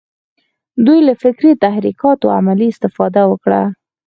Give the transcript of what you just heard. دوی له فکري تحرکاتو عملي استفاده وکړه.